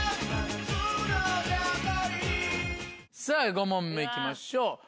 さぁ５問目行きましょう。